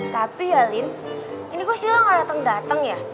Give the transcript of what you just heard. tapi ya lin ini kok sio gak dateng dateng ya